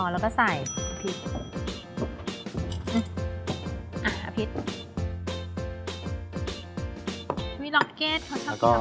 เพราะเขาชอบกินทางแม่